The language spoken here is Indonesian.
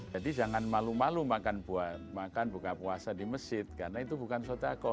jadi jangan malu malu makan buka puasa di masjid karena itu bukan sotako